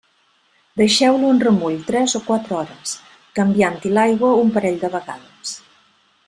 Deixeu-lo en remull tres o quatre hores, canviant-hi l'aigua un parell de vegades.